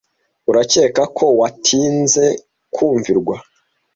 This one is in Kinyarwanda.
urakeka ko watinze kumvirwa